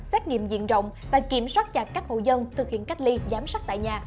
xét nghiệm diện rộng và kiểm soát chặt các hộ dân thực hiện cách ly giám sát tại nhà